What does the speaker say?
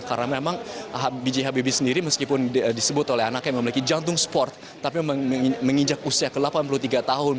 karena memang b j habibie sendiri meskipun disebut oleh anak yang memiliki jantung sport tapi menginjak usia ke delapan puluh tiga tahun